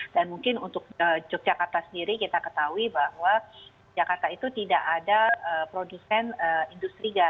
dan mungkin untuk yogyakarta sendiri kita ketahui bahwa jakarta itu tidak ada produsen industri gas